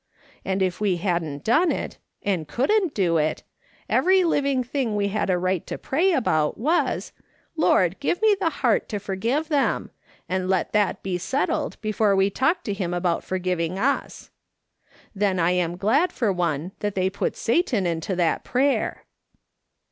And if we hadn't done it, and couldn't do it, every living thing we had a right to pray about was :' Lord, give me the heart to forgive them ;' and let that be settled before we talked to him about forgiving us. Then I am glad, for one, that they put Satan into that prayer."